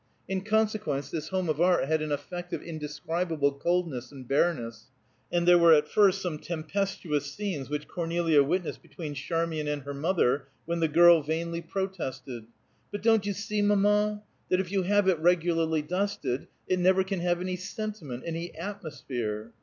In consequence, this home of art had an effect of indescribable coldness and bareness, and there were at first some tempestuous scenes which Cornelia witnessed between Charmian and her mother, when the girl vainly protested: "But don't you see, mamma, that if you have it regularly dusted, it never can have any sentiment, any atmosphere?"